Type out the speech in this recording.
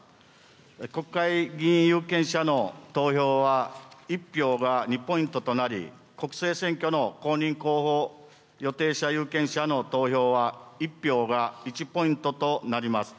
国会議員有権者の投票は、１票が２ポイントとなり、国政選挙の公認候補予定者有権者の投票は１票が１ポイントとなります。